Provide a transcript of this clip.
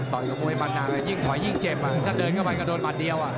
กับมวยมันดังยิ่งถอยยิ่งเจ็บถ้าเดินเข้าไปก็โดนหมัดเดียว